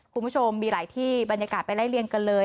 คุณผู้ชมมีหลายที่บรรยากาศไปไล่เลี่ยงกันเลย